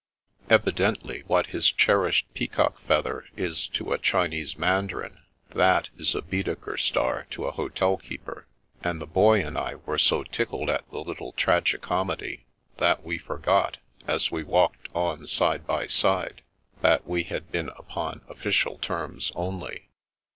Evidently, what his cherished peacock feather is to a Chinese mandarin, that is a Baedeker star to a hotel keeper; and the Boy and I were so tickled at the little tragi comedy that we forgot, as we walked on side by side, that we had been upon offi cial terms only.